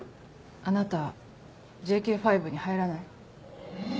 あなたＪＫ５に入らない？